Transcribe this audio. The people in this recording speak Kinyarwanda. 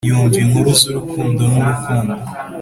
yumva inkuru zurukundo nurukundo